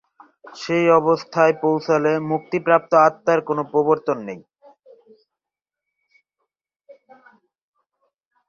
সেই অবস্থায় পৌঁছলে মুক্তিপ্রাপ্ত আত্মার কোনো প্রত্যাবর্তন নেই।